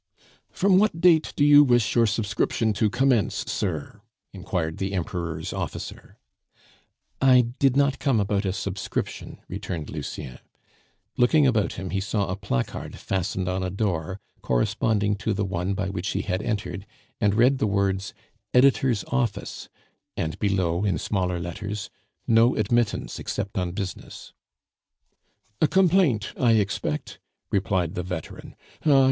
"From what date do you wish your subscription to commence, sir?" inquired the Emperor's officer. "I did not come about a subscription," returned Lucien. Looking about him, he saw a placard fastened on a door, corresponding to the one by which he had entered, and read the words EDITOR'S OFFICE, and below, in smaller letters, No admittance except on business. "A complaint, I expect?" replied the veteran. "Ah!